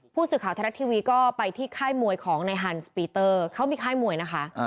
ผู้สื่อข่าวไทยรัฐทีวีก็ไปที่ค่ายมวยของในฮันสปีเตอร์เขามีค่ายมวยนะคะ